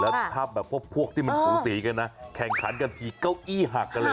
แล้วพวกที่ผู้สีกันนะแข่งขันกันทีเก้าอี้หักเลย